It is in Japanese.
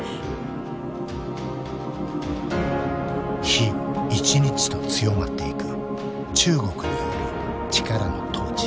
日一日と強まっていく中国による力の統治。